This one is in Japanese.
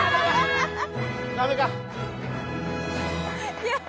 ダメか。